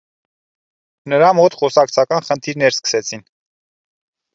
Նրա մոտ խոսակցական խնդիրներ սկսեցին։